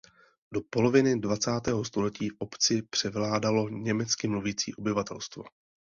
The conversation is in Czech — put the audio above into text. Do poloviny dvacátého století v obci převládalo německy mluvící obyvatelstvo.